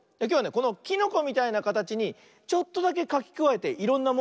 このキノコみたいなかたちにちょっとだけかきくわえていろんなものをつくってみるよ。